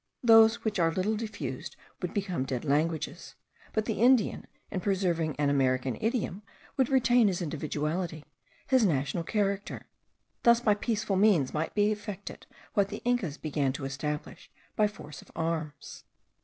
Those which are little diffused would become dead languages; but the Indian, in preserving an American idiom, would retain his individuality his national character. Thus by peaceful means might be effected what the Incas began to establish by force of arms.